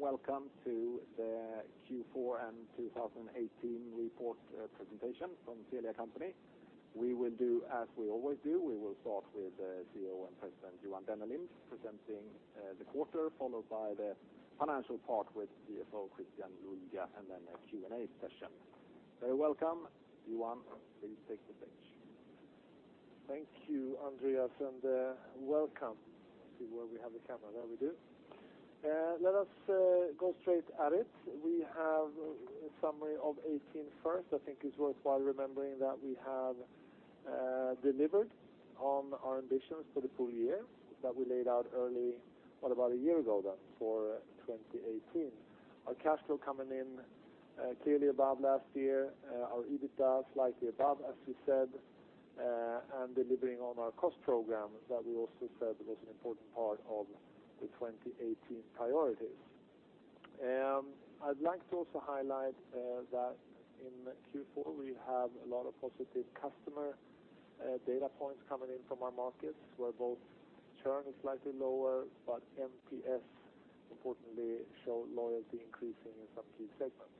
Warm welcome to the Q4 and 2018 report presentation from Telia Company. We will do as we always do. We will start with the CEO and President, Johan Dennelind, presenting the quarter, followed by the financial part with CFO Christian Luiga, and then a Q&A session. Welcome, Johan. Please take the stage. Thank you, Andreas, and welcome. I see where we have the camera. There we do. Let us go straight at it. We have a summary of 2018 first. I think it's worthwhile remembering that we have delivered on our ambitions for the full year that we laid out early, what, about a year ago then, for 2018. Our cash flow coming in clearly above last year, our EBITDA slightly above, as we said, and delivering on our cost program that we also said was an important part of the 2018 priorities. I'd like to also highlight that in Q4, we have a lot of positive customer data points coming in from our markets, where both churn is slightly lower, but NPS importantly show loyalty increasing in some key segments.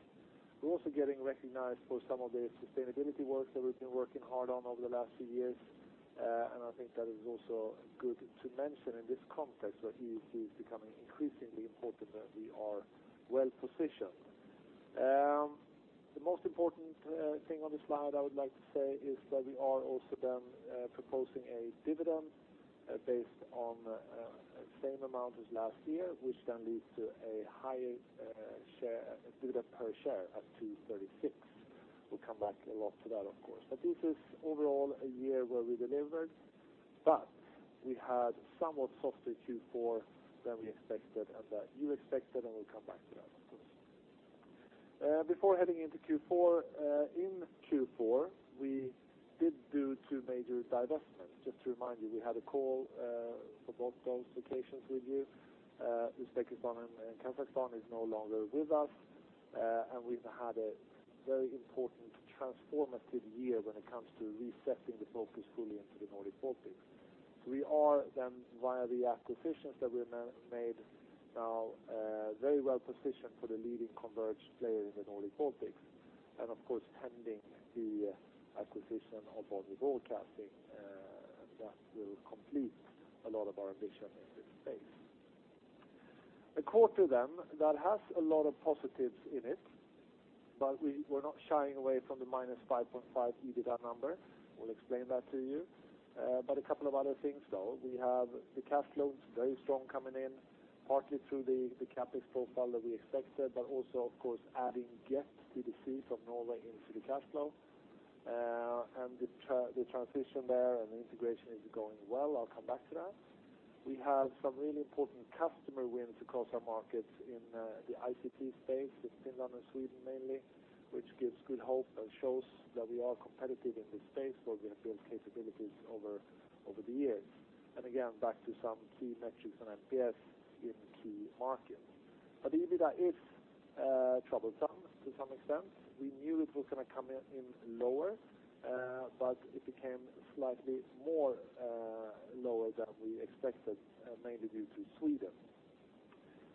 We're also getting recognized for some of the sustainability work that we've been working hard on over the last few years. I think that is also good to mention in this context, where EUC is becoming increasingly important that we are well-positioned. The most important thing on this slide I would like to say is that we are also then proposing a dividend based on same amount as last year, which then leads to a higher dividend per share at 2.36. We'll come back a lot to that, of course. This is overall a year where we delivered, but we had somewhat softer Q4 than we expected and that you expected, and we'll come back to that, of course. Before heading into Q4: in Q4, we did do two major divestments. Just to remind you, we had a call for both those occasions with you. Uzbekistan and Kazakhstan is no longer with us, we've had a very important transformative year when it comes to resetting the focus fully into the Nordic Baltics. We are then, via the acquisitions that we made, now very well-positioned for the leading converged player in the Nordic Baltics. Of course, pending the acquisition of Bonnier Broadcasting, that will complete a lot of our ambition in this space. A quarter then that has a lot of positives in it, we're not shying away from the –5.5 EBITDA number. We'll explain that to you. A couple of other things, though. We have the cash flows very strong coming in, partly through the CapEx profile that we expected, but also of course adding Get HD from Norway into the cash flow. The transition there and the integration is going well. I'll come back to that. We have some really important customer wins across our markets in the ICT space in Finland and Sweden mainly, which gives good hope and shows that we are competitive in this space where we have built capabilities over the years. Again, back to some key metrics on NPS in key markets. The EBITDA is troublesome to some extent. We knew it was going to come in lower, but it became slightly more lower than we expected, mainly due to Sweden.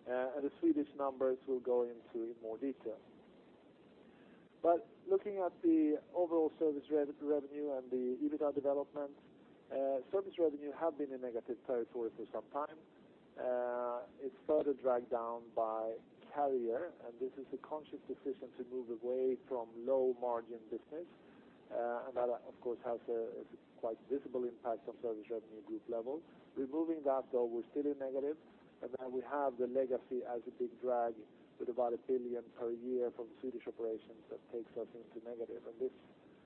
The Swedish numbers we'll go into in more detail. Looking at the overall service revenue and the EBITDA development, service revenue have been in negative territory for some time. It's further dragged down by carrier, and this is a conscious decision to move away from low-margin business. That, of course, has a quite visible impact on service revenue at group level. Removing that, though, we're still in negative, then we have the legacy as a big drag with about 1 billion per year from Swedish operations that takes us into negative. This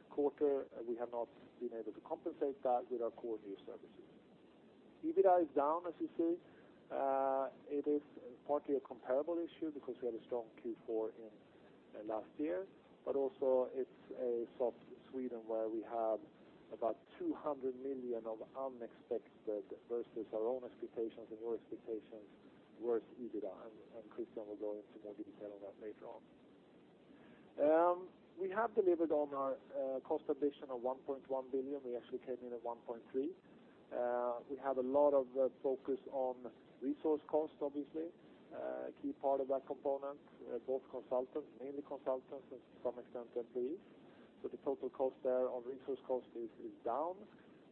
quarter, we have not been able to compensate that with our core new services. EBITDA is down, as you see. It is partly a comparable issue because we had a strong Q4 in last year, but also it's a soft Sweden where we have about 200 million of unexpected versus our own expectations and your expectations worse EBITDA, and Christian will go into more detail on that later on. We have delivered on our cost ambition of 1.1 billion. We actually came in at 1.3 billion. We have a lot of focus on resource cost, obviously. A key part of that component, both consultants, mainly consultants, and to some extent employees. The total cost there on resource cost is down,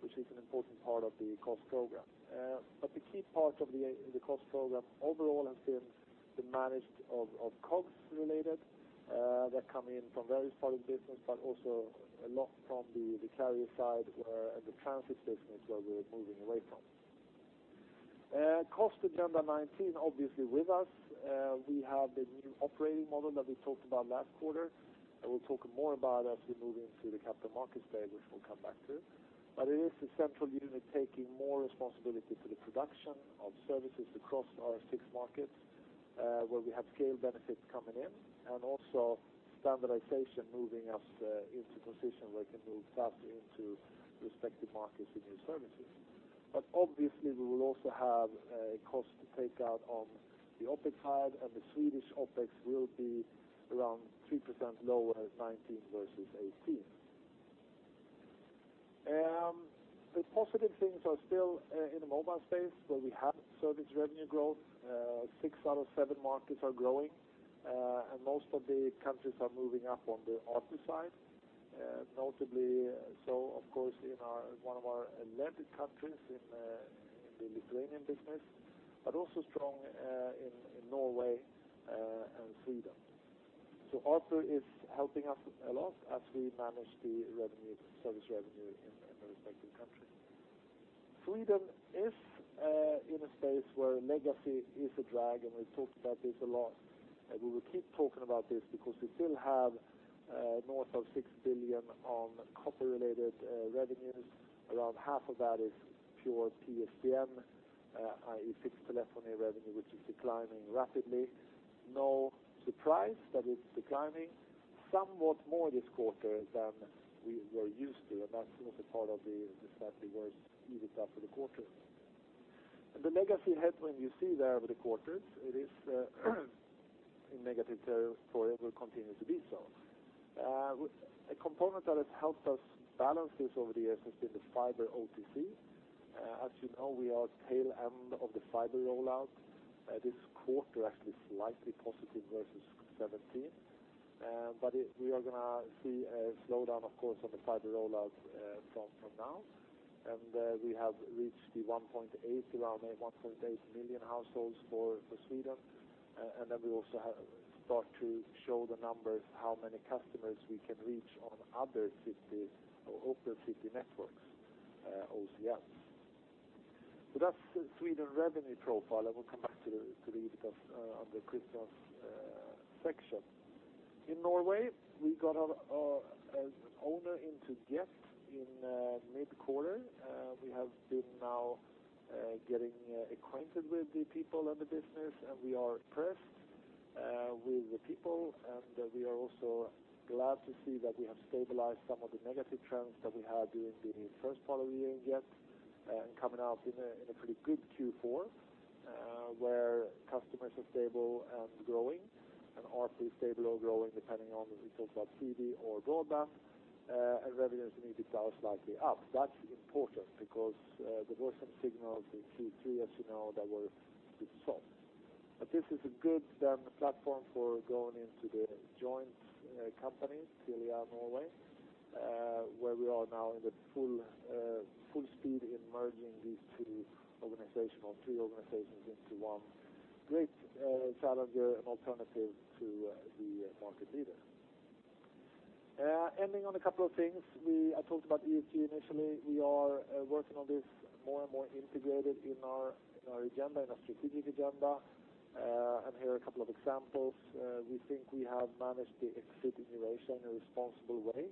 which is an important part of the cost program. The key part of the cost program overall has been the managed of COGS related that come in from various parts of the business, but also a lot from the carrier side and the transit business where we're moving away from. Cost agenda 2019, obviously with us. We have the new operating model that we talked about last quarter, we'll talk more about as we move into the Capital Markets Day, which we'll come back to. It is the central unit taking more responsibility for the production of services across our six markets, where we have scale benefits coming in and also standardization moving us into position where we can move faster into respective markets with new services. Obviously, we will also have a cost to take out on the OpEx side, the Swedish OpEx will be around 3% lower 2019 versus 2018. The positive things are still in the mobile space where we have service revenue growth. 6/7 markets are growing, and most of the countries are moving up on the ARPU side. Notably, of course, in one of our 11 countries, in the Lithuanian business, but also strong in Norway and Sweden. ARPU is helping us a lot as we manage the service revenue in the respective countries. Sweden is in a space where legacy is a drag, we've talked about this a lot, we will keep talking about this because we still have north of 6 billion on copper-related revenues. Around half of that is pure PSTN, i.e., fixed telephony revenue, which is declining rapidly. No surprise that it's declining somewhat more this quarter than we were used to. That was a part of the slightly worse EBITA for the quarter. The legacy headwind you see there over the quarters, it is in negative territory and will continue to be so. A component that has helped us balance this over the years has been the fiber OTC. As you know, we are at the tail end of the fiber rollout. This quarter actually slightly positive versus 2017. We are going to see a slowdown, of course, on the fiber rollout from now. We have reached around 1.8 million households for Sweden. We also start to show the numbers, how many customers we can reach on other open city networks, OCNs. That's the Sweden revenue profile. I will come back to the EBITA on the Christian section. In Norway, we got an owner into Get in mid-quarter. We have been now getting acquainted with the people and the business. We are impressed with the people. We are also glad to see that we have stabilized some of the negative trends that we had during the first part of the year in Get, coming out in a pretty good Q4, where customers are stable and growing. ARPU stable or growing depending on in terms of TV or broadband. Revenues and EBITA are slightly up. That's important because there were some signals in Q3, as you know, that were a bit soft. This is a good platform for going into the joint company, Telia Norge, where we are now in full speed in merging these two organizations, or three organizations into one great challenger and alternative to the market leader. Ending on a couple of things. I talked about ESG initially. We are working on this more and more integrated in our strategic agenda. Here are a couple of examples. We think we have managed the exit generation in a responsible way.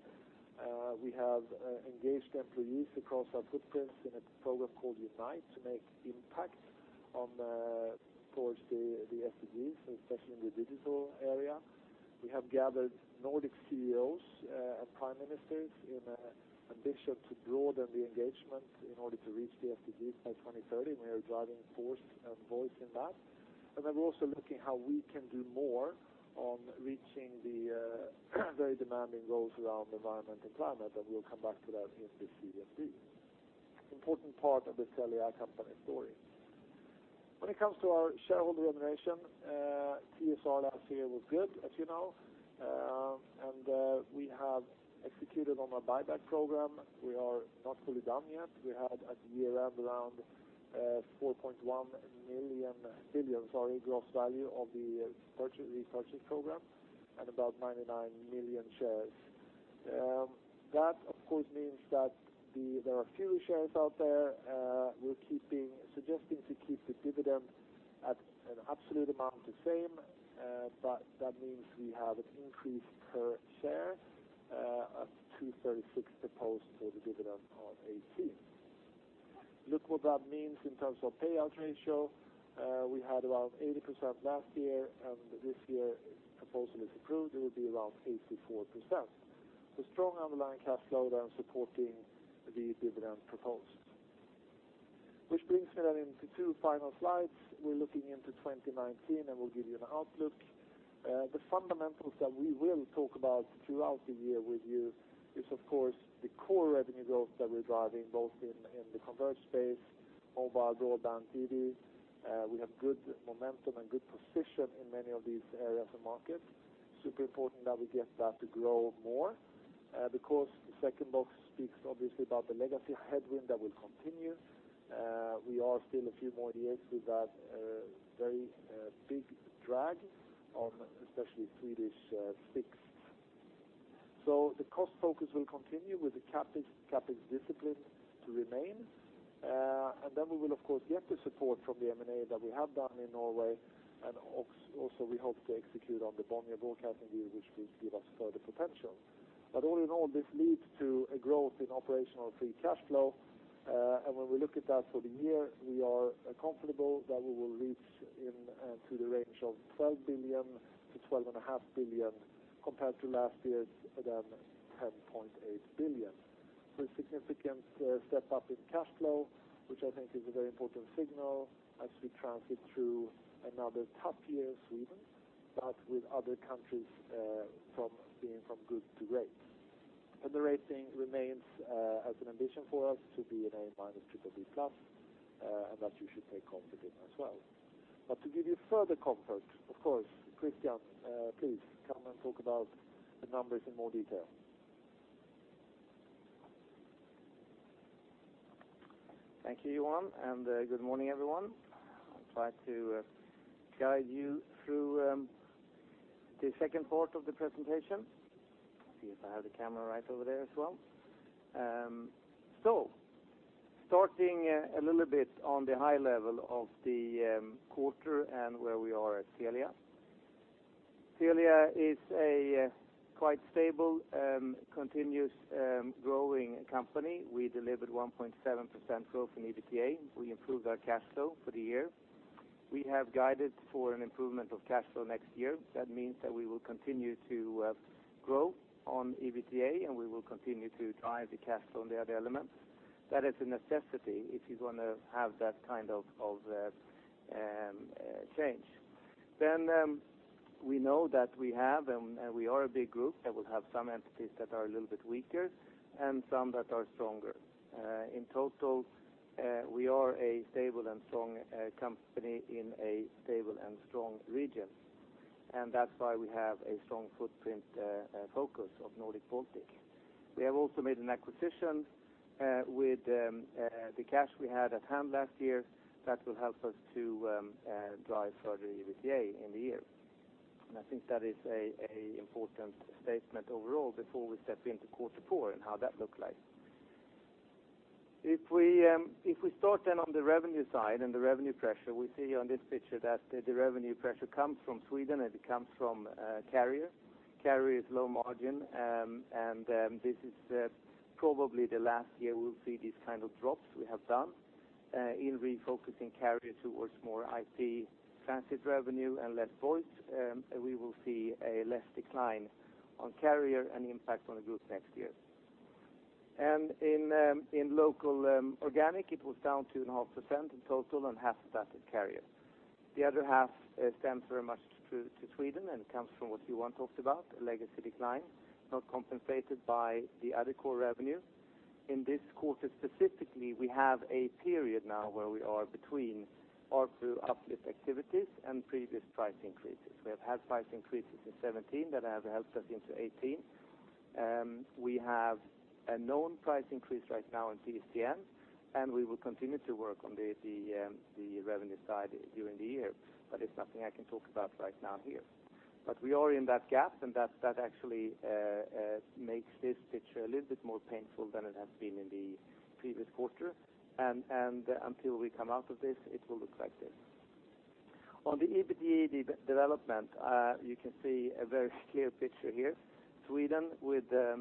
We have engaged employees across our footprints in a program called Unite to make impact towards the SDGs, especially in the digital area. We have gathered Nordic CEOs and prime ministers in an ambition to broaden the engagement in order to reach the SDGs by 2030. We are driving force and voice in that. We are also looking how we can do more on reaching the very demanding goals around environment and climate. We will come back to that in the CSB. Important part of the Telia Company story. When it comes to our shareholder remuneration, TSR last year was good, as you know. We have executed on our buyback program. We are not fully done yet. We had at year-end around 4.1 billion gross value of the repurchase program and about 99 million shares. That of course means that there are fewer shares out there. We are suggesting to keep the dividend at an absolute amount the same, but that means we have an increase per share of 2.36 proposed for the dividend of 2018. Look what that means in terms of payout ratio. We had around 80% last year, and this year, if the proposal is approved, it will be around 84%. Strong underlying cash flow there supporting the dividend proposed. That brings me into two final slides. We are looking into 2019. We will give you an outlook. The fundamentals that we will talk about throughout the year with you is, of course, the core revenue growth that we're driving both in the converge space, mobile, broadband, TV. We have good momentum and good position in many of these areas and markets. Super important that we get that to grow more. The cost, the second box speaks obviously about the legacy headwind that will continue. We are still a few more years with that very big drag on especially Swedish fixed. The cost focus will continue with the CapEx discipline to remain. Then we will, of course, get the support from the M&A that we have done in Norway, and also we hope to execute on the Bonnier Broadcasting deal, which will give us further potential. All in all, this leads to a growth in operational free cash flow. When we look at that for the year, we are comfortable that we will reach into the range of 12 billion-12.5 billion compared to last year's 10.8 billion. A significant step up in cash flow, which I think is a very important signal as we transit through another tough year in Sweden. But with other countries from being from good to great. The rating remains as an ambition for us to be an A- BBB+, and that you should take comfort in as well. To give you further comfort, of course, Christian, please come and talk about the numbers in more detail. Thank you, Johan, and good morning, everyone. I'll try to guide you through the second part of the presentation. See if I have the camera right over there as well. Starting a little bit on the high level of the quarter and where we are at Telia. Telia is a quite stable, continuous growing company. We delivered 1.7% growth in EBITDA. We improved our cash flow for the year. We have guided for an improvement of cash flow next year. That means that we will continue to grow on EBITDA, and we will continue to drive the cash flow on the other elements. That is a necessity if you're going to have that kind of change. We know that we have, and we are a big group, and we'll have some entities that are a little bit weaker and some that are stronger. In total, we are a stable and strong company in a stable and strong region. That's why we have a strong footprint focus of Nordic-Baltic. We have also made an acquisition with the cash we had at hand last year that will help us to drive further EBITDA in the year. I think that is an important statement overall before we step into quarter four and how that look like. If we start then on the revenue side and the revenue pressure, we see on this picture that the revenue pressure comes from Sweden and it comes from carrier. Carrier is low margin, and this is probably the last year we'll see these kind of drops we have done in refocusing carrier towards more IT transit revenue and less voice. We will see a less decline on carrier and impact on the group next year. In local organic, it was down 2.5% in total, and half of that is carrier. The other half stems very much to Sweden and comes from what Johan talked about, a legacy decline, not compensated by the other core revenue. In this quarter specifically, we have a period now where we are between ARPU uplift activities and previous price increases. We have had price increases in 2017 that have helped us into 2018. We have a known price increase right now in PSTN, and we will continue to work on the revenue side during the year. That is something I can talk about right now here. We are in that gap, and that actually makes this picture a little bit more painful than it has been in the previous quarter. Until we come out of this, it will look like this. On the EBITDA development, you can see a very clear picture here. Sweden with the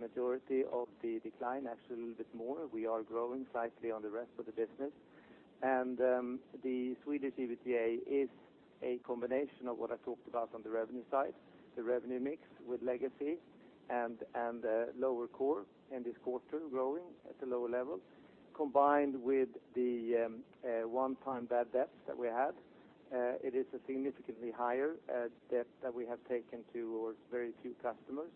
majority of the decline, actually a little bit more. We are growing slightly on the rest of the business. The Swedish EBITDA is a combination of what I talked about on the revenue side, the revenue mix with legacy and lower core in this quarter growing at a lower level, combined with the one-time bad debt that we had. It is a significantly higher debt that we have taken towards very few customers.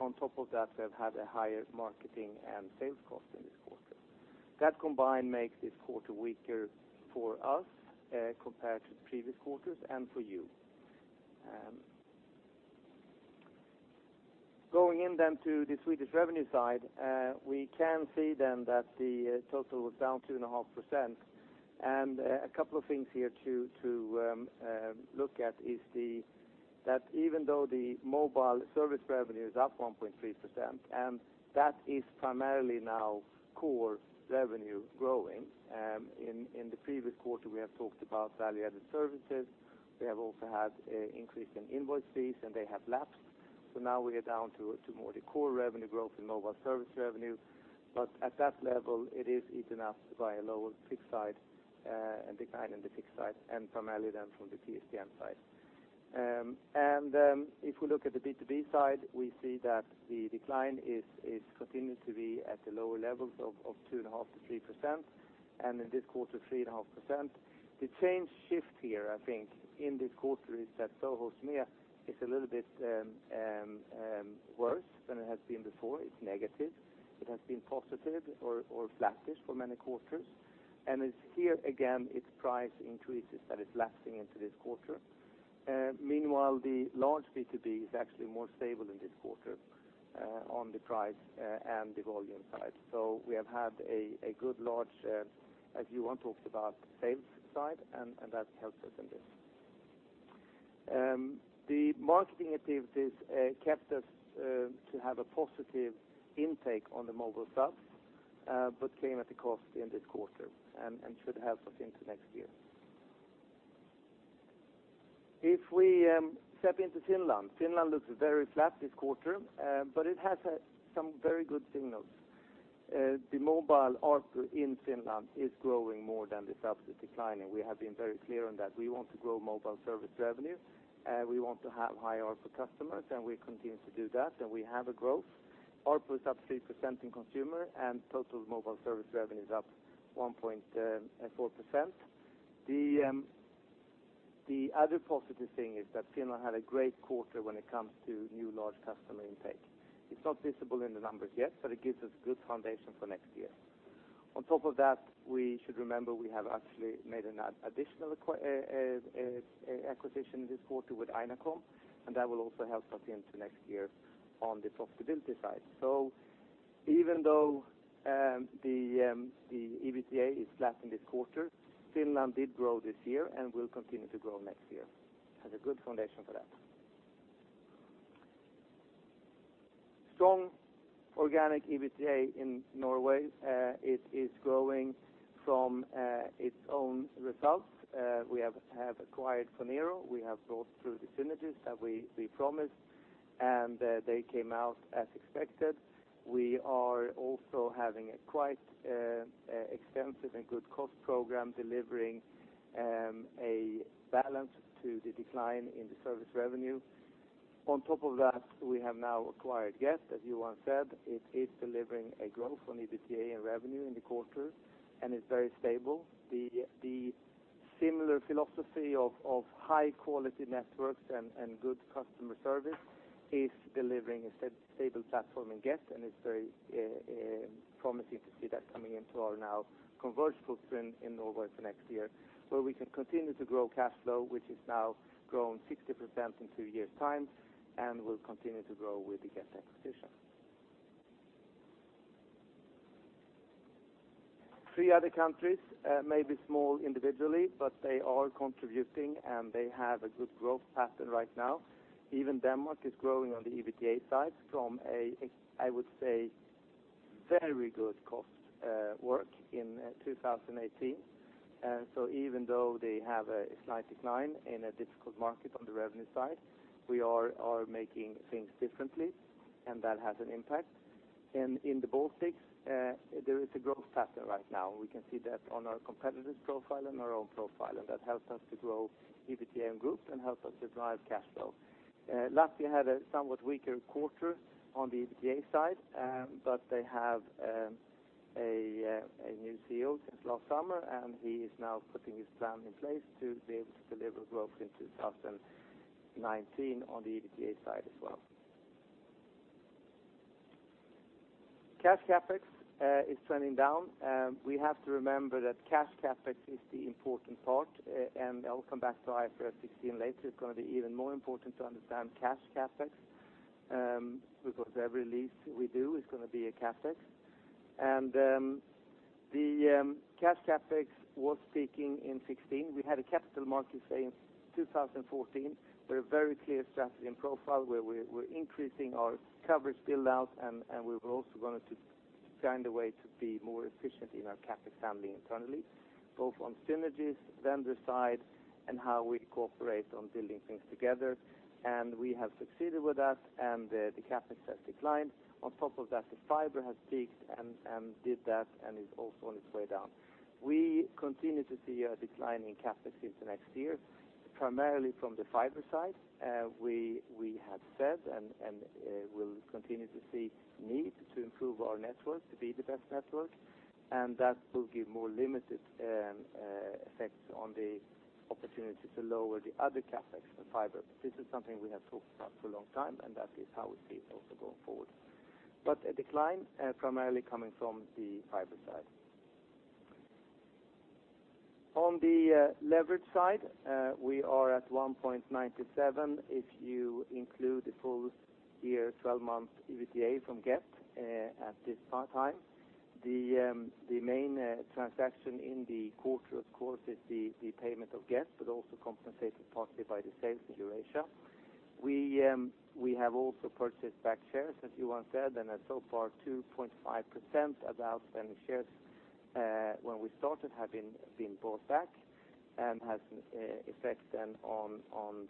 On top of that, we have had a higher marketing and sales cost in this quarter. That combined makes this quarter weaker for us compared to the previous quarters and for you. Going in then to the Swedish revenue side, we can see then that the total was down 2.5%. A couple of things here to look at is that even though the mobile service revenue is up 1.3%, and that is primarily now core revenue growing. In the previous quarter, we have talked about value-added services. We have also had an increase in invoice fees, and they have lapsed. Now we are down to more the core revenue growth in mobile service revenue. At that level, it is eaten up by a lower fixed side and decline in the fixed side, and primarily then from the PSTN side. If we look at the B2B side, we see that the decline continues to be at the lower levels of 2.5%-3%, and in this quarter, 3.5%. The change shift here, I think, in this quarter is that SoHo/SME is a little bit worse than it has been before. It is negative. It has been positive or flattish for many quarters. It is here again, it is price increases that is lapsing into this quarter. Meanwhile, the large B2B is actually more stable in this quarter on the price and the volume side. We have had a good large, as Johan talked about, sales side, and that helps us in this. The marketing activities kept us to have a positive intake on the mobile subs, but came at a cost in this quarter and should help us into next year. If we step into Finland looks very flat this quarter, but it has some very good signals. The mobile ARPU in Finland is growing more than the subs declining. We have been very clear on that. We want to grow mobile service revenue. We want to have high ARPU customers, and we continue to do that, and we have a growth. ARPU is up 3% in consumer, and total mobile service revenue is up 1.4%. The other positive thing is that Finland had a great quarter when it comes to new large customer intake. It's not visible in the numbers yet, but it gives us good foundation for next year. On top of that, we should remember we have actually made an additional acquisition this quarter with AinaCom, and that will also help us into next year on the profitability side. Even though the EBITDA is flat in this quarter, Finland did grow this year and will continue to grow next year. It has a good foundation for that. Strong organic EBITDA in Norway. It is growing from its own results. We have acquired Phonero. We have brought through the synergies that we promised, and they came out as expected. We are also having a quite extensive and good cost program delivering a balance to the decline in the service revenue. On top of that, we have now acquired Get, as Johan said. It is delivering a growth on EBITDA and revenue in the quarter and is very stable. The similar philosophy of high-quality networks and good customer service is delivering a stable platform in Get, and it's very promising to see that coming into our now converged footprint in Norway for next year, where we can continue to grow cash flow, which has now grown 60% in two years' time and will continue to grow with the Get acquisition. Three other countries may be small individually, but they are contributing, and they have a good growth pattern right now. Even Denmark is growing on the EBITDA side from a, I would say, very good cost work in 2018. Even though they have a slight decline in a difficult market on the revenue side, we are making things differently, and that has an impact. In the Baltics, there is a growth pattern right now. We can see that on our competitors' profile and our own profile, and that helps us to grow EBITDA in groups and helps us to drive cash flow. Latvia had a somewhat weaker quarter on the EBITDA side, but they have a new CEO since last summer, and he is now putting his plan in place to be able to deliver growth in 2019 on the EBITDA side as well. Cash CapEx is trending down. We have to remember that cash CapEx is the important part, and I'll come back to IFRS 16 later. It's going to be even more important to understand cash CapEx, because every lease we do is going to be a CapEx. The cash CapEx was peaking in 2016. We had a Capital Market Day in 2014 with a very clear strategy and profile where we're increasing our coverage build-out, and we were also going to find a way to be more efficient in our CapEx handling internally, both on synergies, vendor side, and how we cooperate on building things together. We have succeeded with that, and the CapEx has declined. On top of that, the fiber has peaked and did that and is also on its way down. We continue to see a decline in CapEx into next year, primarily from the fiber side. We have said and will continue to see need to improve our network to be the best network, and that will give more limited effects on the opportunity to lower the other CapEx than fiber. This is something we have talked about for a long time, and that is how we see it also going forward. A decline primarily coming from the fiber side. On the leverage side, we are at 1.97 if you include the full year 12-month EBITDA from Get at this time. The main transaction in the quarter, of course, is the payment of Get, but also compensated partly by the sales in Eurasia. We have also purchased back shares, as Johan said, and so far, 2.5% of the outstanding shares when we started have been bought back and has an effect then on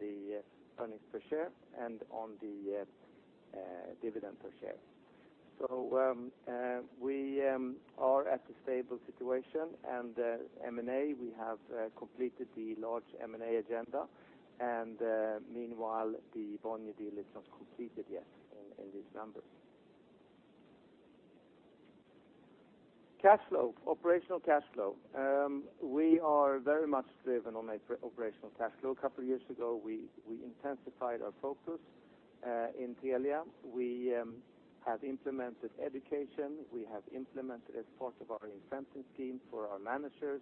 the earnings per share and on the dividend per share. We are at a stable situation, and M&A, we have completed the large M&A agenda, and meanwhile, the Bonnier deal is not completed yet in these numbers. Cash flow, operational cash flow. We are very much driven on operational cash flow. A couple of years ago, we intensified our focus in Telia. We have implemented education. We have implemented as part of our incentive scheme for our managers.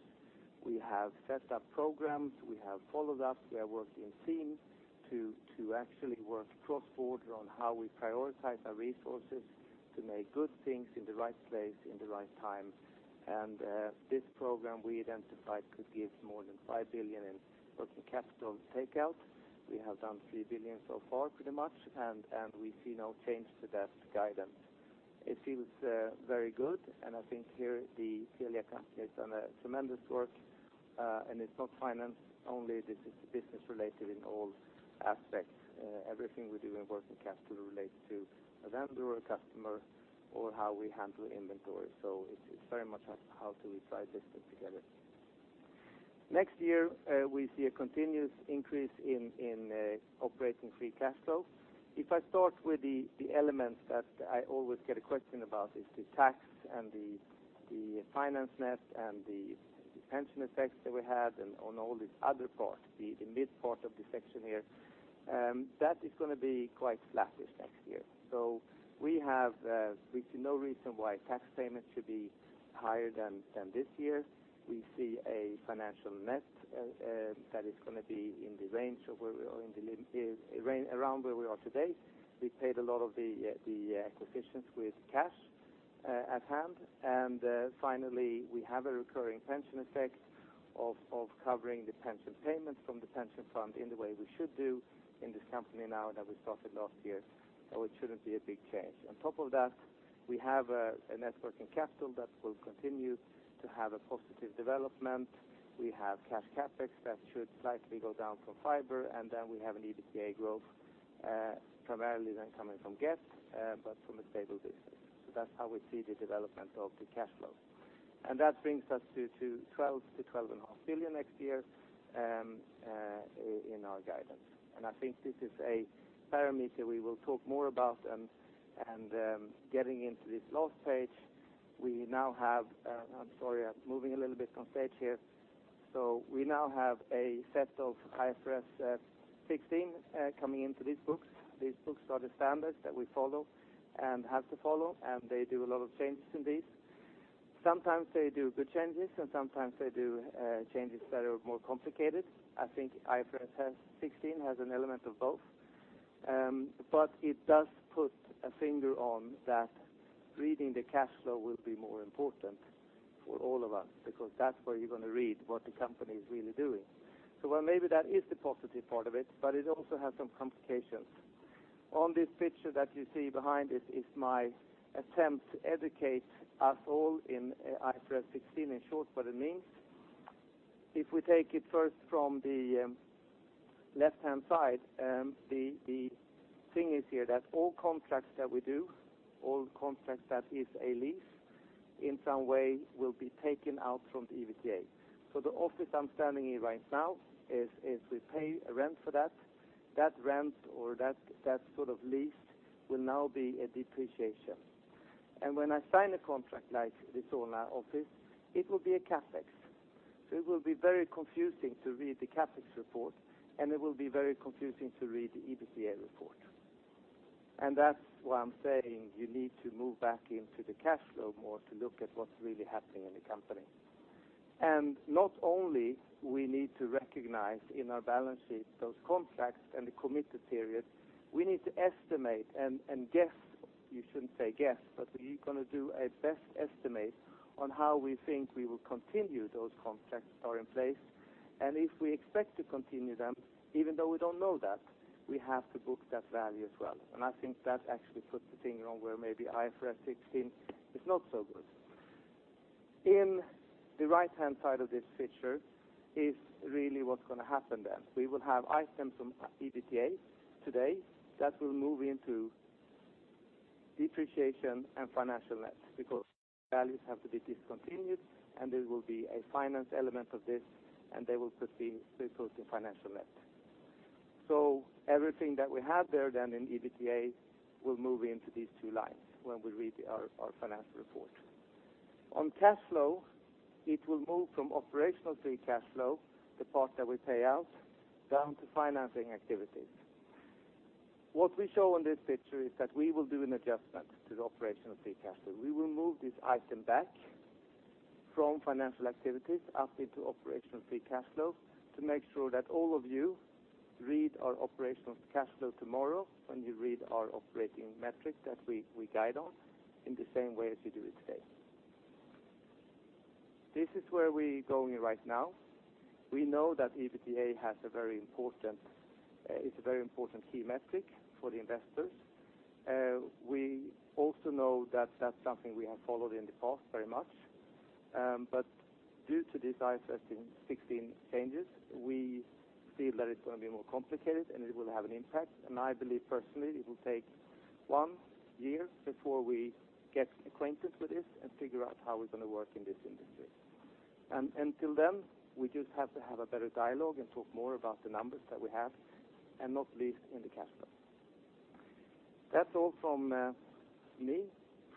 We have set up programs. We have followed up. We are working in teams to actually work cross-border on how we prioritize our resources to make good things in the right place in the right time. This program we identified could give more than 5 billion in working capital takeout. We have done 3 billion so far, pretty much, and we see no change to that guidance. It feels very good, and I think here the Telia Company has done a tremendous work, and it's not finance only. This is business-related in all aspects. Everything we do in working capital relates to a vendor or customer or how we handle inventory. It's very much how do we tie this thing together. Next year, we see a continuous increase in operating free cash flow. If I start with the elements that I always get a question about is the tax and the finance net and the pension effects that we had and on all this other part, the mid part of the section here, that is going to be quite flattish next year. We see no reason why tax payments should be higher than this year. We see a financial net that is going to be around where we are today. We paid a lot of the acquisitions with cash at hand. Finally, we have a recurring pension effect of covering the pension payments from the pension fund in the way we should do in this company now that we started last year. It shouldn't be a big change. On top of that, we have a net working capital that will continue to have a positive development. We have cash CapEx that should slightly go down for fiber, and then we have an EBITDA growth, primarily then coming from Get, but from a stable business. That's how we see the development of the cash flow. That brings us to 12 billion-12.5 billion next year in our guidance. I think this is a parameter we will talk more about and getting into this last page. I'm sorry, I'm moving a little bit on page here. We now have a set of IFRS 16 coming into these books. These books are the standards that we follow and have to follow, and they do a lot of changes in these. Sometimes they do good changes, and sometimes they do changes that are more complicated. I think IFRS 16 has an element of both. It does put a finger on that reading the cash flow will be more important for all of us because that's where you're going to read what the company is really doing. While maybe that is the positive part of it also has some complications. On this picture that you see behind it is my attempt to educate us all in IFRS 16, in short, what it means. If we take it first from the left-hand side, the thing is here that all contracts that we do, all contracts that is a lease, in some way will be taken out from the EBITDA. The office I'm standing in right now is we pay a rent for that. That rent or that sort of lease will now be a depreciation. When I sign a contract like this Solna office, it will be a CapEx. It will be very confusing to read the CapEx report, and it will be very confusing to read the EBITDA report. That's why I'm saying you need to move back into the cash flow more to look at what's really happening in the company. Not only we need to recognize in our balance sheet those contracts and the committed period, we need to estimate and guess, you shouldn't say guess, but we're going to do a best estimate on how we think we will continue those contracts that are in place. If we expect to continue them, even though we don't know that, we have to book that value as well. I think that actually puts the finger on where maybe IFRS 16 is not so good. In the right-hand side of this picture is really what's going to happen then. We will have items from EBITDA today that will move into depreciation and financial net because values have to be discontinued, and there will be a finance element of this, and they will put the results in financial net. Everything that we have there then in EBITDA will move into these two lines when we read our financial report. On cash flow, it will move from operational free cash flow, the part that we pay out, down to financing activities. What we show on this picture is that we will do an adjustment to the operational free cash flow. We will move this item back from financial activities up into operational free cash flow to make sure that all of you read our operational free cash flow tomorrow when you read our operating metric that we guide on in the same way as you do it today. This is where we're going right now. We know that EBITDA is a very important key metric for the investors. We also know that that's something we have followed in the past very much. Due to these IFRS 16 changes, we see that it's going to be more complicated, and it will have an impact. I believe personally, it will take one year before we get acquainted with this and figure out how it's going to work in this industry. Until then, we just have to have a better dialogue and talk more about the numbers that we have, and not least in the cash flow. That's all from me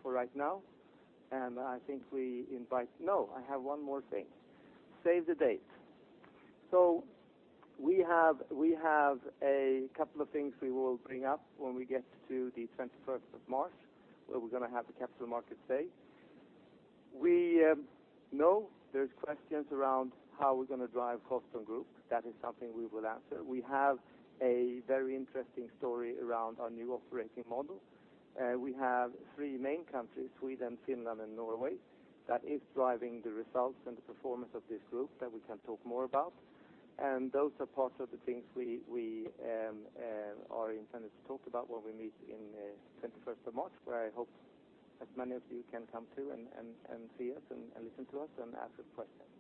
for right now. No, I have one more thing. Save the date. We have a couple of things we will bring up when we get to the 21st of March, where we're going to have the Capital Market Day. We know there's questions around how we're going to drive Holston Group. That is something we will answer. We have a very interesting story around our new operating model. We have three main countries, Sweden, Finland, and Norway, that is driving the results and the performance of this group that we can talk more about. Those are part of the things we are intending to talk about when we meet in 21st of March, where I hope as many of you can come to and see us and listen to us and ask questions.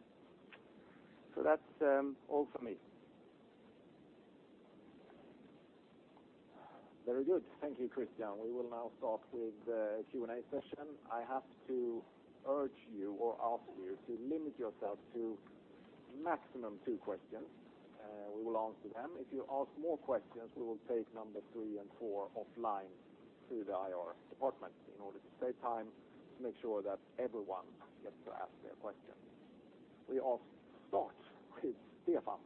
That's all for me. Very good. Thank you, Christian. We will now start with the Q&A session. I have to urge you or ask you to limit yourself to maximum two questions. We will answer them. If you ask more questions, we will take number three and four offline through the IR department in order to save time, to make sure that everyone gets to ask their questions. We all start with Stefan.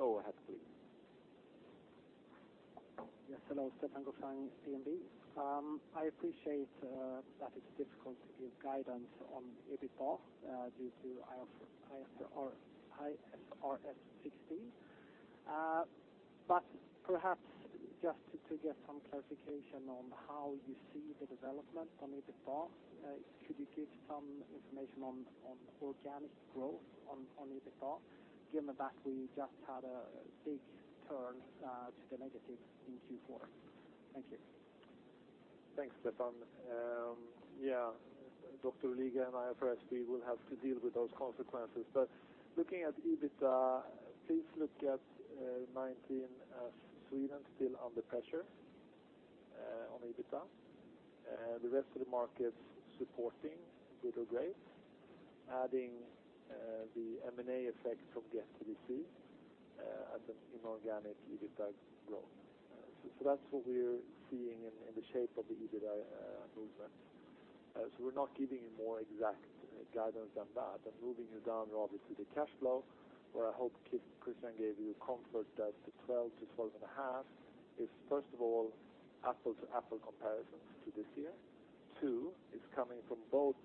Go ahead, please. Yes. Hello, Stefan, DNB. I appreciate that it's difficult to give guidance on EBITDA due to IFRS 16. Perhaps just to get some clarification on how you see the development on EBITDA, could you give some information on organic growth on EBITDA, given that we just had a big turn to the negative in Q4? Thank you. Thanks, Stefan. Dr. Luiga and I firstly, we will have to deal with those consequences. Looking at EBITDA, please look at 2019 as Sweden still under pressure, on EBITDA. The rest of the markets supporting good or great, adding the M&A effect from the STVC, and the inorganic EBITDA growth. That's what we're seeing in the shape of the EBITDA movement. We're not giving you more exact guidance than that, but moving you down rather to the cash flow, where I hope Christian gave you comfort that the 12 billion-12.5 billion is first of all, apple to apple comparisons to this year. Two, it's coming from both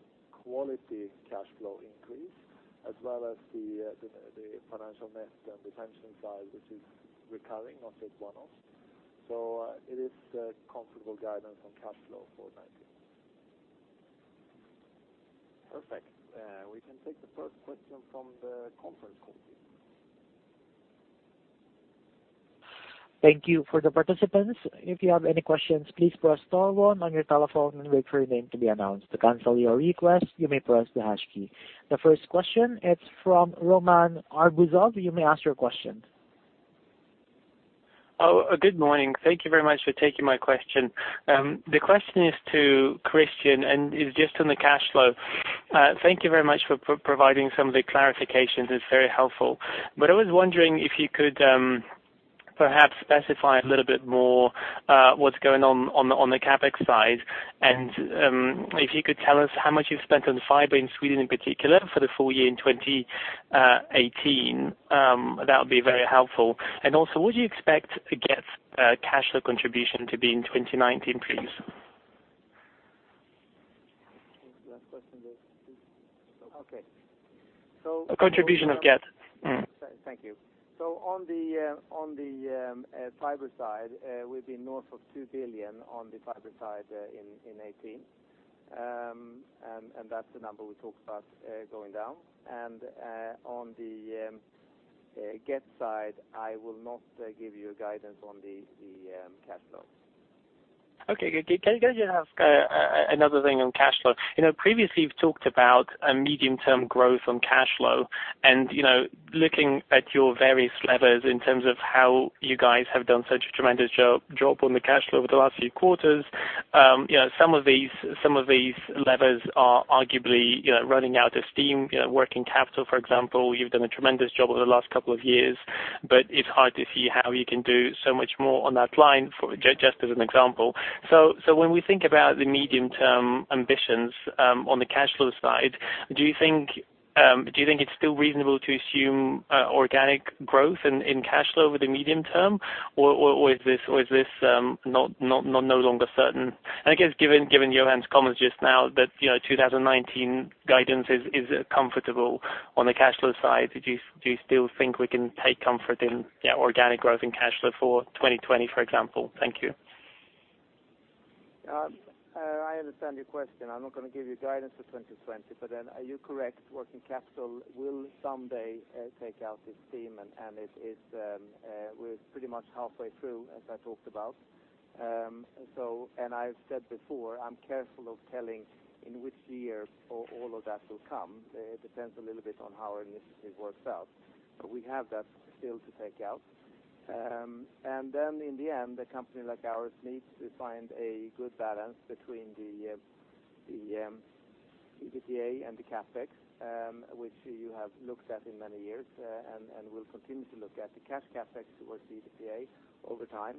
quality cash flow increase as well as the financial net and retention side, which is recurring, not just one-offs. It is comfortable guidance on cash flow for 2019. Perfect. We can take the first question from the conference call team. Thank you. For the participants, if you have any questions, please press star one on your telephone and wait for your name to be announced. To cancel your request, you may press the hash key. The first question, it's from Roman Arbuzov. You may ask your question. Good morning. Thank you very much for taking my question. The question is to Christian, and is just on the cash flow. Thank you very much for providing some of the clarifications. It's very helpful. I was wondering if you could perhaps specify a little bit more what's going on the CapEx side, and if you could tell us how much you've spent on fiber in Sweden in particular for the full year in 2018. That would be very helpful. Also, what do you expect to Get cash flow contribution to be in 2019, please? The last question was please? Okay. Contribution of Get. Thank you. On the fiber side, we've been north of 2 billion on the fiber side in 2018. That's the number we talked about going down. On the Get side, I will not give you a guidance on the cash flow. Okay. Can you have another thing on cash flow? Previously, you've talked about a medium term growth on cash flow, looking at your various levers in terms of how you guys have done such a tremendous job on the cash flow over the last few quarters. Some of these levers are arguably running out of steam, working capital, for example. You've done a tremendous job over the last couple of years, but it's hard to see how you can do so much more on that line, just as an example. When we think about the medium term ambitions on the cash flow side, do you think it's still reasonable to assume organic growth in cash flow over the medium-term, or is this no longer certain? I guess given Johan's comments just now that 2019 guidance is comfortable on the cash flow side, do you still think we can take comfort in organic growth and cash flow for 2020, for example? Thank you. I understand your question. I'm not going to give you guidance for 2020, are you correct, working capital will someday take out this steam and we're pretty much halfway through, as I talked about. I've said before, I'm careful of telling in which year all of that will come. It depends a little bit on how our initiative works out. We have that still to take out. In the end, a company like ours needs to find a good balance between the EBITDA and the CapEx, which you have looked at in many years, and will continue to look at the cash CapEx towards the EBITDA over time.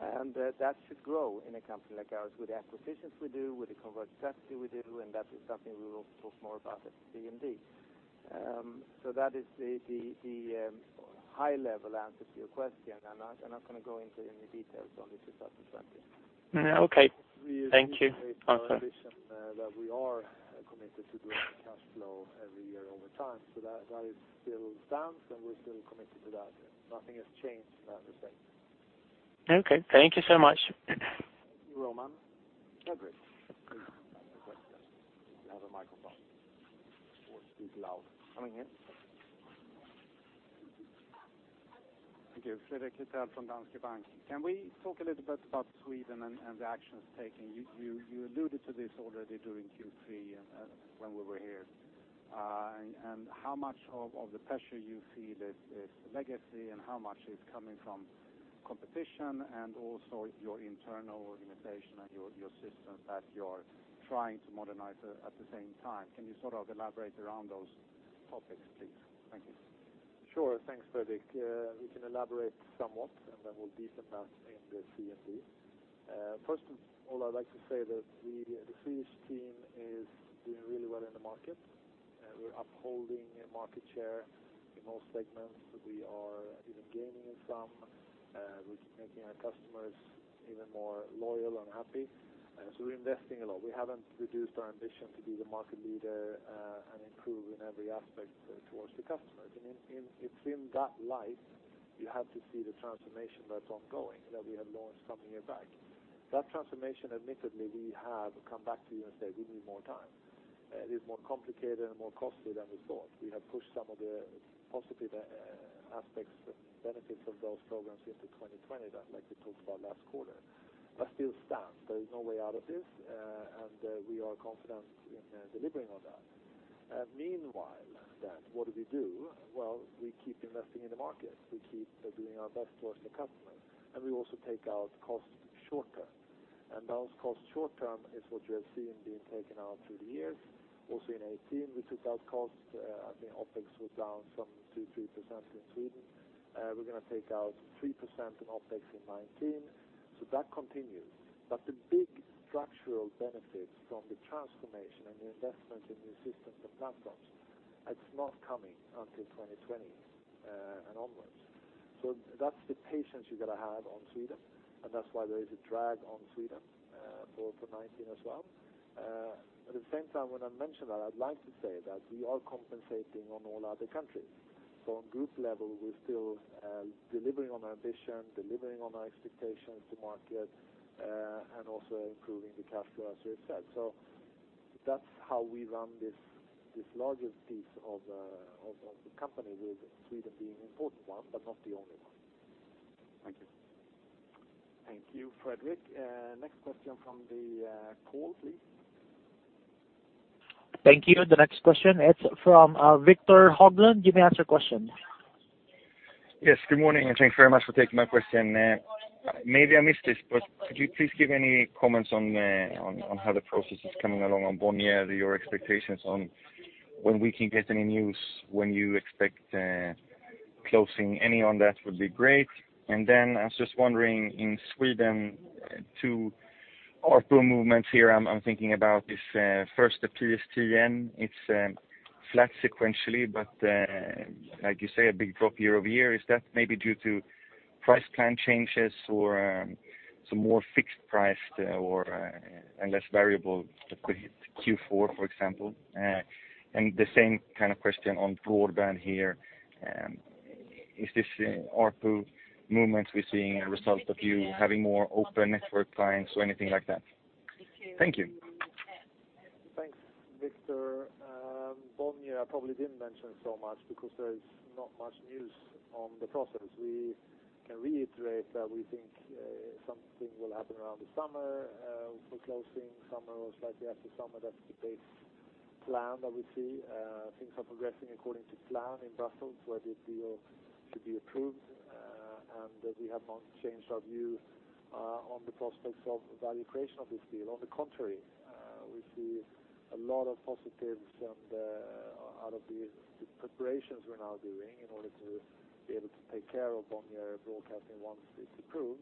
That should grow in a company like ours with the acquisitions we do, with the conversion capacity we do, and that is something we will talk more about at CMD. That is the high level answer to your question, I'm not going to go into any details on the 2020. Okay. Thank you. Ambition that we are committed to growing cash flow every year over time. That is still stands, and we're still committed to that. Nothing has changed in that respect. Okay. Thank you so much. Thank you, Roman. Patrick. Please. You have a microphone. Speak loud. Thank you. Fredrik Lithell from Danske Bank. Can we talk a little bit about Sweden and the actions taken? You alluded to this already during Q3 when we were here. How much of the pressure you feel is legacy and how much is coming from competition and also your internal organization and your system that you are trying to modernize at the same time. Can you elaborate around those topics, please? Thank you. Sure. Thanks, Fredrik. We can elaborate somewhat, then we'll deepen that in the CMD. First of all, I'd like to say that the Swedish team is doing really well in the market. We're upholding market share in all segments. We are even gaining in some. We're making our customers even more loyal and happy. We're investing a lot. We haven't reduced our ambition to be the market leader and improve in every aspect towards the customers. It's in that light, you have to see the transformation that's ongoing, that we have launched some year back. That transformation, admittedly, we have come back to you and said, "We need more time." It is more complicated and more costly than we thought. We have pushed some of the positive aspects, benefits of those programs into 2020, like we talked about last quarter. That still stands. There is no way out of this, we are confident in delivering on that. Meanwhile, what do we do? We keep investing in the market. We keep doing our best towards the customer, we also take out costs short-term. Those costs short-term is what you have seen being taken out through the years. Also in 2018, we took out costs. I think OpEx was down some 2%-3% in Sweden. We're going to take out 3% in OpEx in 2019, that continues. The big structural benefits from the transformation and the investments in new systems and platforms, it's not coming until 2020 and onwards. That's the patience you got to have on Sweden, that's why there is a drag on Sweden for 2019 as well. At the same time, when I mention that, I'd like to say that we are compensating on all other countries. On group level, we're still delivering on our ambition, delivering on our expectations to market, also improving the cash flow as we have said. That's how we run this larger piece of the company, with Sweden being an important one, not the only one. Thank you. Thank you, Fredrik. Next question from the call, please. Thank you. The next question, it is from Viktor Högberg. You may ask your question. Yes, good morning, thanks very much for taking my question. Maybe I missed this, but could you please give any comments on how the process is coming along on Bonnier, your expectations on when we can get any news, when you expect closing? Any on that would be great. I was just wondering, in Sweden, two ARPU movements here. I am thinking about this first, the PSTN. It is flat sequentially, but like you say, a big drop year-over-year. Is that maybe due to price plan changes or some more fixed price or a less variable Q4, for example? The same kind of question on broadband here. Is this ARPU movement we are seeing a result of you having more open network clients or anything like that? Thank you. Thanks, Viktor. Bonnier, I probably did not mention so much because there is not much news on the process. We can reiterate that we think something will happen around the summer for closing, summer or slightly after summer. That is the base plan that we see. Things are progressing according to plan in Brussels, where the deal should be approved, and we have not changed our view on the prospects of value creation of this deal. On the contrary, we see a lot of positives out of the preparations we are now doing in order to be able to take care of Bonnier Broadcasting once it is approved.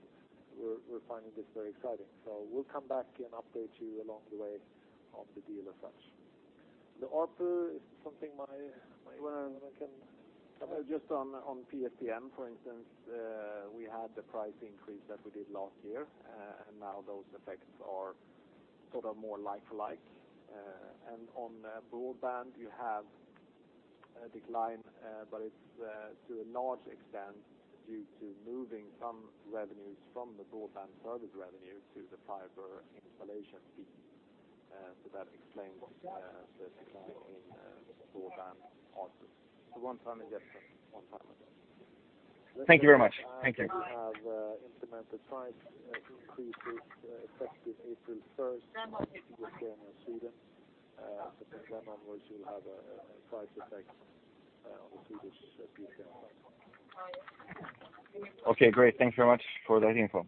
We are finding this very exciting. We will come back and update you along the way on the deal as such. The ARPU is something When I can comment. On PSTN, for instance, we had the price increase that we did last year, now those effects are more like to like. On broadband, you have a decline, but it's to a large extent due to moving some revenues from the broadband service revenue to the fiber installation fee. That explains the decline in broadband ARPU. It's a one-time adjustment. Thank you very much. Thank you. We have implemented price increases effective April 1 in Sweden. From then onwards, we'll have a price effect on the Swedish PSTN platform. Okay, great. Thank you very much for that info.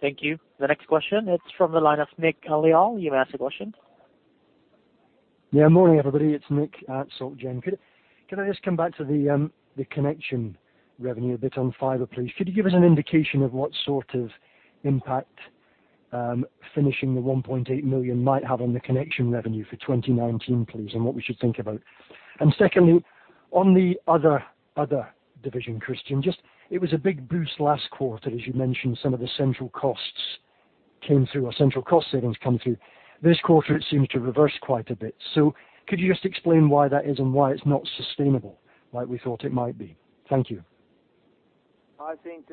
Thank you, Viktor. Next question, please. Operator. Thank you. Next question, it's from the line of Nick Lyall. You may ask your question. Morning, everybody. It's Nick at Societe Generale. Could I just come back to the connection revenue a bit on fiber, please? Could you give us an indication of what sort of impact finishing the 1.8 million might have on the connection revenue for 2019, please, and what we should think about? Secondly, on the other division, Christian, just it was a big boost last quarter, as you mentioned, some of the central costs came through, or central cost savings come through. This quarter, it seems to reverse quite a bit. Could you just explain why that is and why it's not sustainable like we thought it might be? Thank you. I think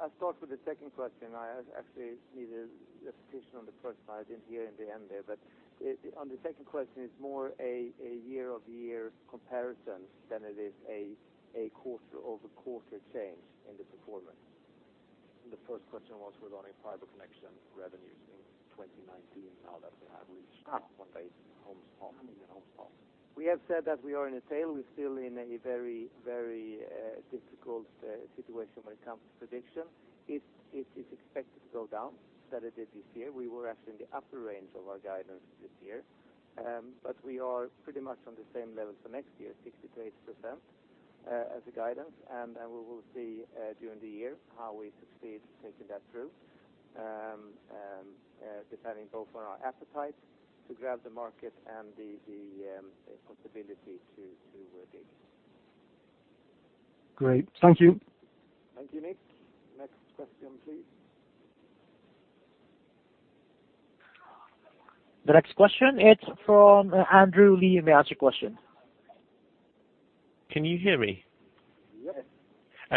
I'll start with the second question. I actually need a repetition on the first. I didn't hear in the end there. On the second question, it's more a year-over-year comparison than it is a quarter-over-quarter change in the performance. The first question was regarding fiber connection revenues in 2019, now that we have reached 1 million homes passed. We have said that we are in a tail. We're still in a very difficult situation when it comes to prediction. It is expected to go down than it did this year. We were actually in the upper range of our guidance this year. We are pretty much on the same level for next year, 60%-80% as a guidance. We will see, during the year, how we succeed taking that through, depending both on our appetite to grab the market and the possibility to dig. Great. Thank you. Thank you, Nick. Next question, please. The next question, it's from Andrew Lee. You may ask your question. Can you hear me? Yes.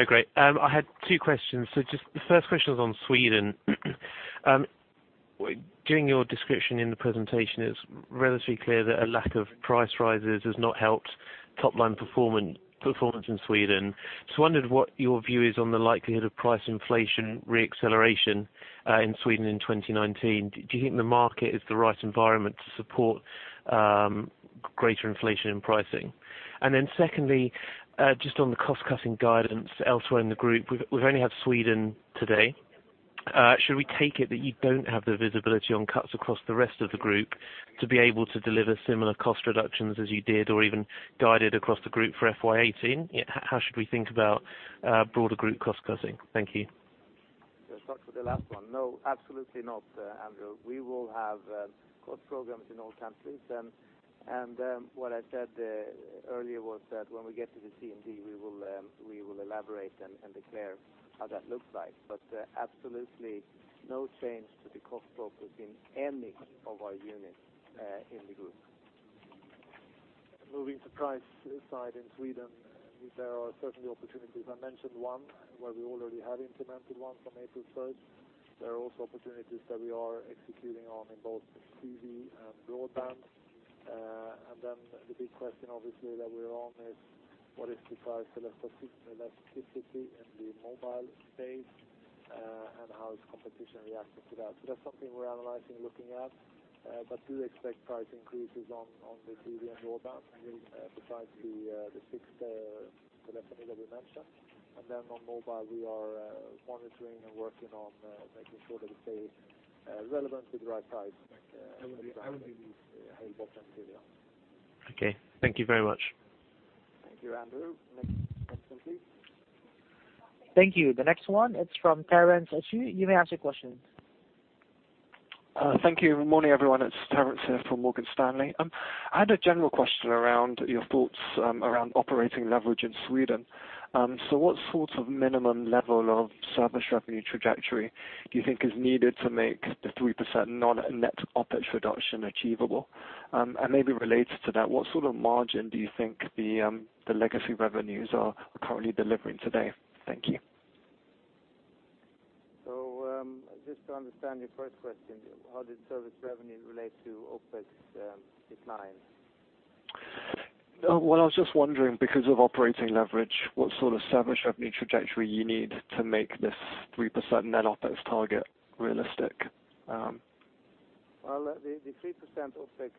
Great. I had two questions. Just the first question is on Sweden. During your description in the presentation, it was relatively clear that a lack of price rises has not helped top-line performance in Sweden. Just wondered what your view is on the likelihood of price inflation re-acceleration in Sweden in 2019. Do you think the market is the right environment to support greater inflation in pricing? Secondly, just on the cost-cutting guidance elsewhere in the group, we have only had Sweden today. Should we take it that you do not have the visibility on cuts across the rest of the group to be able to deliver similar cost reductions as you did or even guided across the group for FY 2018? How should we think about broader group cost cutting? Thank you. I will start with the last one. No, absolutely not, Andrew. We will have cost programs in all countries. What I said earlier was that when we get to the CMD, we will elaborate and declare how that looks like. Absolutely no change to the cost focus in any of our units in the group. Moving to price side in Sweden, there are certainly opportunities. I mentioned one where we already have implemented one from April 1st. There are also opportunities that we are executing on in both TV and broadband. The big question obviously that we're on is what is the price elasticity in the mobile space, and how is competition reacting to that. That's something we're analyzing, looking at. Do expect price increases on the TV and broadband besides the fixed telephone that we mentioned. On mobile, we are monitoring and working on making sure that we stay relevant with the right price. I would give these. High potential area. Okay. Thank you very much. Thank you, Andrew. Next question, please. Thank you. The next one, it's from Terence Tsui. You may ask your question. Thank you. Good morning, everyone. It's Terence here from Morgan Stanley. I had a general question around your thoughts around operating leverage in Sweden. What sort of minimum level of service revenue trajectory do you think is needed to make the 3% net OpEx reduction achievable? Maybe related to that, what sort of margin do you think the legacy revenues are currently delivering today? Thank you. Just to understand your first question, how did service revenue relate to OpEx decline? I was just wondering, because of operating leverage, what sort of service revenue trajectory you need to make this 3% net OpEx target realistic. The 3% OpEx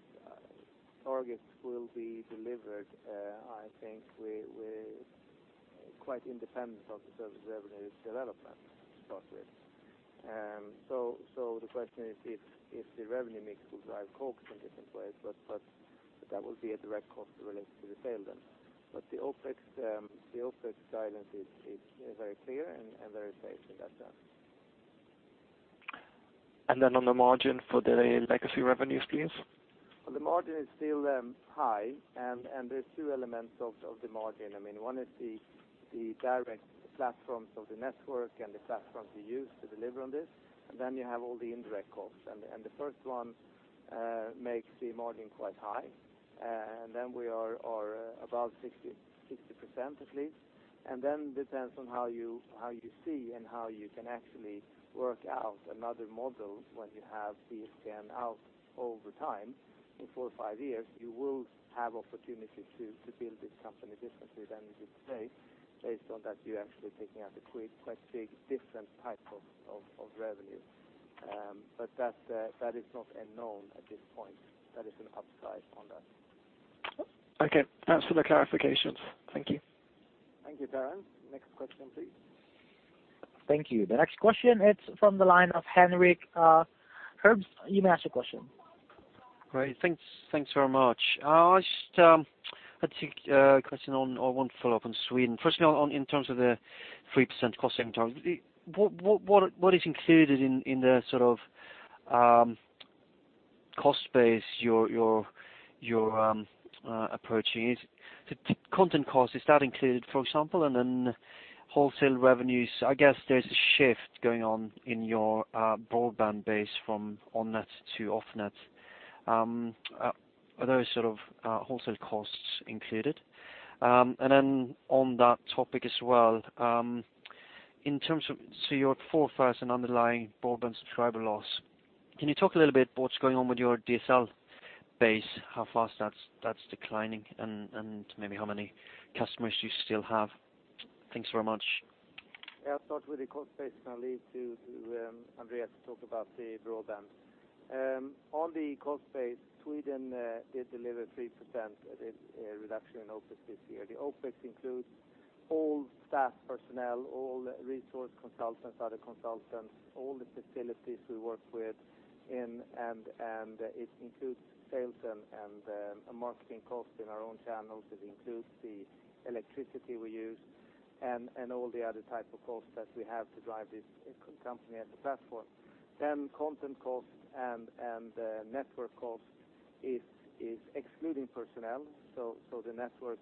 target will be delivered, I think quite independent of the service revenue development, to start with. The question is if the revenue mix will drive costs in different ways, but that will be a direct cost related to the sale then. The OpEx guidance is very clear and very safe in that sense. Then on the margin for the legacy revenues, please. The margin is still high, and there's two elements of the margin. One is the direct platforms of the network and the platforms we use to deliver on this. Then you have all the indirect costs. The first one makes the margin quite high. Then we are above 60% at least. Then depends on how you see and how you can actually work out another model when you have PSTN out over time. In four or five years, you will have opportunity to build this company differently than it is today based on that you're actually taking out a quite big different type of revenue. That is not a known at this point. That is an upside on that. Okay. Thanks for the clarifications. Thank you. Thank you, Terence. Next question, please. Thank you. The next question, it's from the line of Henrik Herbst. You may ask your question. Great. Thanks very much. I just had a question on one follow-up on Sweden. In terms of the 3% cost savings. What is included in the sort of cost base you're approaching? Content cost, is that included, for example, and then wholesale revenues? I guess there's a shift going on in your broadband base from on-net to off-net. Are those wholesale costs included? On that topic as well, you're at 4,000 underlying broadband subscriber loss. Can you talk a little bit what's going on with your DSL base, how fast that's declining, and maybe how many customers you still have? Thanks very much. Yeah, I'll start with the cost base, and I'll leave to Andreas to talk about the broadband. On the cost base, Sweden did deliver 3% reduction in OpEx this year. The OpEx includes all staff personnel, all resource consultants, other consultants, all the facilities we work with, and it includes sales and marketing costs in our own channels. It includes the electricity we use and all the other type of costs that we have to drive this company and the platform. Content costs and network costs is excluding personnel. The network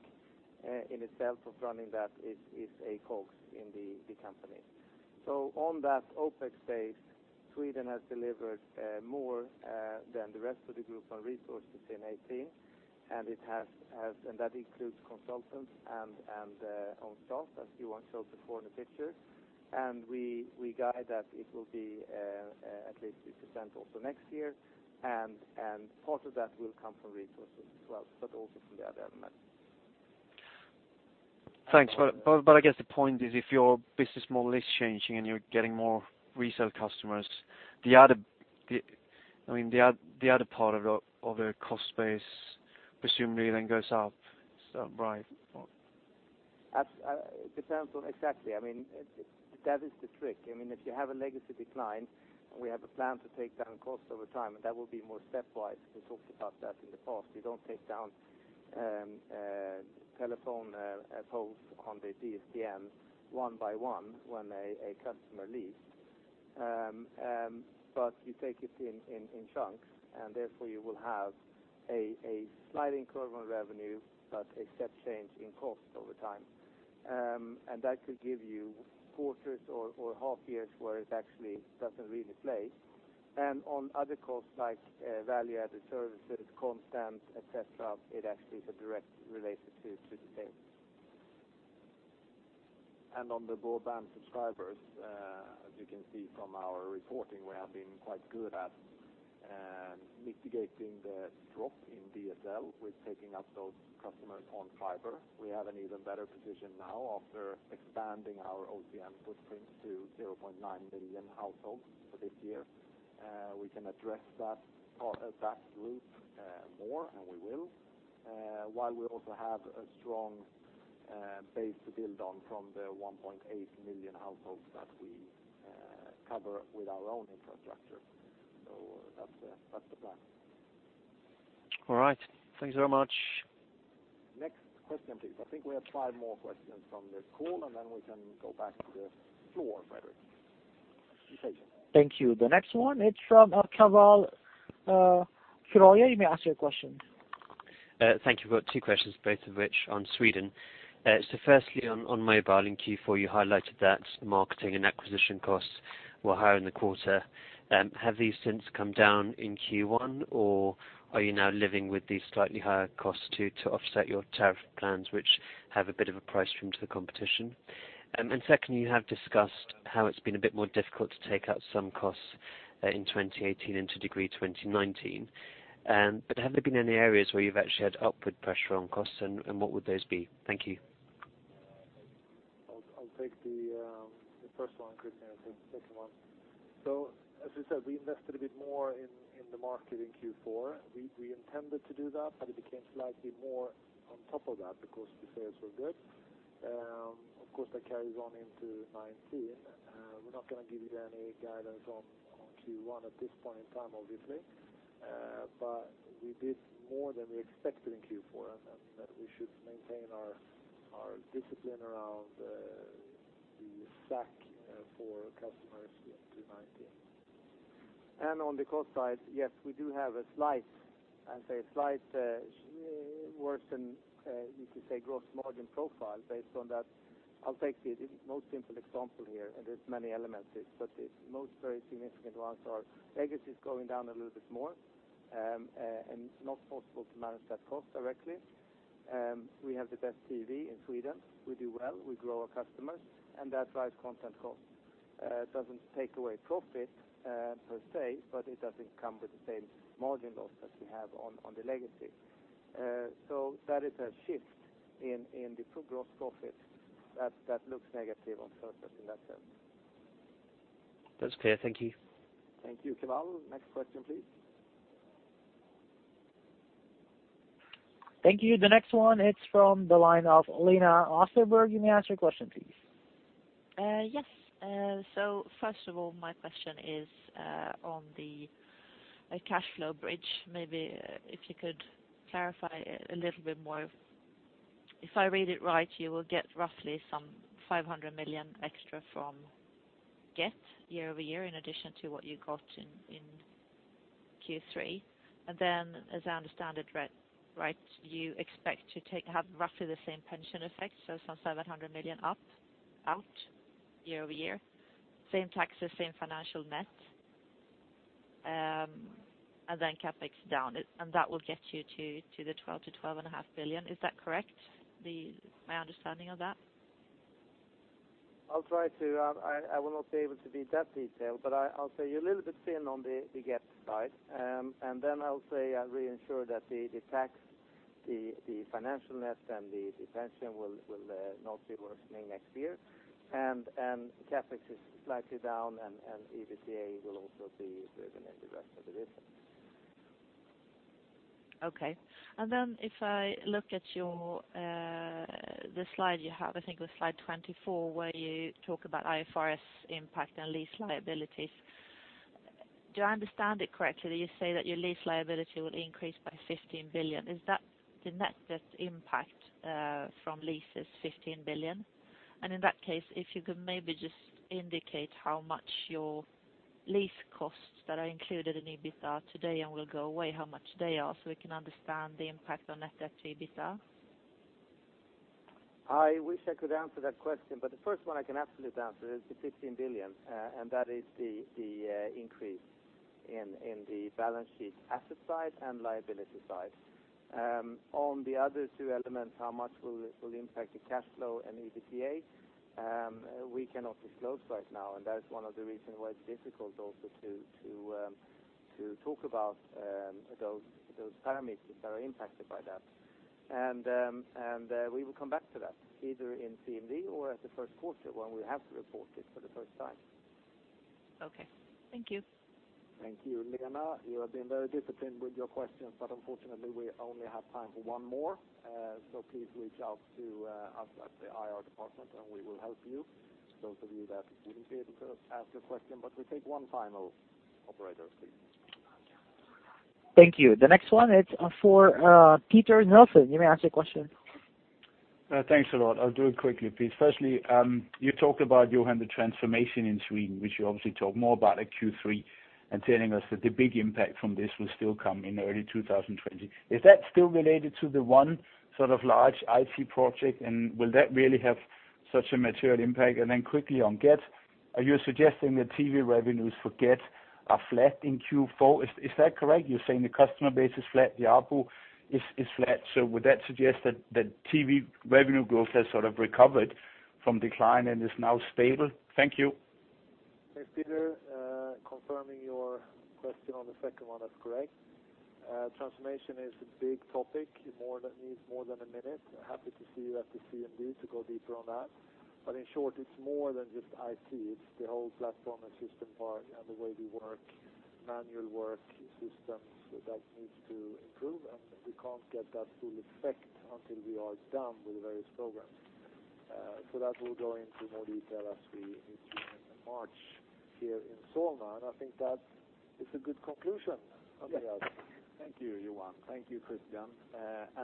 in itself of running that is a cost in the company. On that OpEx base, Sweden has delivered more than the rest of the group on resources in 2018, and that includes consultants and on staff, as Johan showed before in the pictures. We guide that it will be at least 3% also next year, and part of that will come from resources as well, but also from the other elements. Thanks. I guess the point is if your business model is changing and you're getting more resell customers, the other part of the cost base presumably then goes up. Is that right? Exactly. That is the trick. We have a plan to take down costs over time, and that will be more stepwise. We talked about that in the past. We don't take down telephone poles on the DSLAM one by one when a customer leaves. You take it in chunks, and therefore you will have a slight incremental revenue, but a step change in cost over time. That could give you quarters or half years where it actually doesn't really play. On other costs like value-added services, content, et cetera, it actually is a direct related to the sales. On the broadband subscribers, as you can see from our reporting, we have been quite good at mitigating the drop in DSL with taking up those customers on fiber. We have an even better position now after expanding our OCN footprint to 0.9 million households for this year. We can address that group more, and we will, while we also have a strong base to build on from the 1.8 million households that we cover with our own infrastructure. That's the plan. All right. Thanks very much. Next question, please. I think we have five more questions from this call, and then we can go back to the floor, Fredrik. Thank you. The next one, it's from Keval Khiroya. You may ask your question. Thank you. I've got two questions, both of which on Sweden. Firstly, on mobile in Q4, you highlighted that marketing and acquisition costs were higher in the quarter. Have these since come down in Q1, or are you now living with these slightly higher costs to offset your tariff plans, which have a bit of a price from the competition? Secondly, you have discussed how it's been a bit more difficult to take out some costs in 2018 to a degree in 2019. Have there been any areas where you've actually had upward pressure on costs, and what would those be? Thank you. I'll take the first one, and Christian can take the second one. As we said, we invested a bit more in the market in Q4. We intended to do that, but it became slightly more on top of that because the sales were good. Of course, that carries on into 2019. We're not going to give you any guidance on Q1 at this point in time, obviously. We did more than we expected in Q4, and we should maintain our discipline around the stack for customers through 2019. On the cost side, yes, we do have a slight worsening, you could say, gross margin profile based on that. I'll take the most simple example here, and there's many elements, but the most very significant ones are legacy is going down a little bit more, and it's not possible to manage that cost directly. We have the best TV in Sweden. We do well. We grow our customers, and that drives content cost. It doesn't take away profit per se, but it doesn't come with the same margin loss that we have on the legacy. That is a shift in the gross profit that looks negative on surface in that sense. That's clear. Thank you. Thank you, Keval. Next question, please. Thank you. The next one, it's from the line of Lena Österberg. You may ask your question, please. Yes. First of all, my question is on the cash flow bridge. Maybe if you could clarify a little bit more. If I read it right, you will get roughly some 500 million extra from Get year-over-year in addition to what you got in Q3. As I understand it right, you expect to have roughly the same pension effect, so some 700 million out year-over-year. Same taxes, same financial net, CapEx down, and that will get you to 12 billion-12.5 billion. Is that correct? My understanding of that? I will not be able to be that detailed, but I'll say you're a little bit thin on the Get side. Then I'll say I reassure that the tax, the financial net, and the pension will not be worsening next year. CapEx is slightly down, and EBITDA will also be driven in the rest of the business. Okay. Then if I look at the slide you have, I think it was slide 24, where you talk about IFRS impact and lease liabilities. Do I understand it correctly that you say that your lease liability will increase by 15 billion? Is that the net debt impact from leases 15 billion? In that case, if you could maybe just indicate how much your lease costs that are included in EBITDA today and will go away, how much they are, so we can understand the impact on net debt to EBITDA? I wish I could answer that question, the first one I can absolutely answer is the 15 billion, and that is the increase in the balance sheet asset side and liability side. On the other two elements, how much will it impact the cash flow and EBITDA? We cannot disclose right now, that's one of the reasons why it's difficult also to talk about those parameters that are impacted by that. We will come back to that, either in CMD or at the first quarter when we have to report it for the first time. Okay. Thank you. Thank you, Lena. Unfortunately we only have time for one more. Please reach out to us at the IR department and we will help you, those of you that wouldn't be able to ask a question, but we take one final, operator, please. Thank you. The next one is for Peter Nilsson. You may ask your question. Thanks a lot. I'll do it quickly, please. Firstly, you talked about, Johan, the transformation in Sweden, which you obviously talk more about at Q3, and telling us that the big impact from this will still come in early 2020. Is that still related to the one sort of large IT project, and will that really have such a material impact? Quickly on Get, are you suggesting that TV revenues for Get are flat in Q4? Is that correct? You're saying the customer base is flat, the ARPU is flat. Would that suggest that TV revenue growth has sort of recovered from decline and is now stable? Thank you. Thanks, Peter. Confirming your question on the second one, that's correct. Transformation is a big topic, it needs more than a minute. Happy to see you at the CMD to go deeper on that. In short, it's more than just IT. It's the whole platform and system part and the way we work, manual work systems that needs to improve, and we can't get that full effect until we are done with the various programs. That will go into more detail as we meet you in March here in Solna, and I think that is a good conclusion. Yes. Thank you, Johan. Thank you, Christian.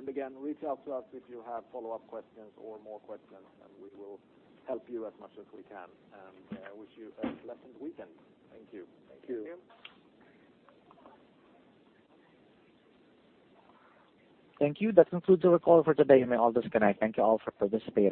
Again, reach out to us if you have follow-up questions or more questions, and we will help you as much as we can, and wish you a pleasant weekend. Thank you. Thank you. Thank you. Thank you. That concludes the call for today. You may all disconnect. Thank you all for participating.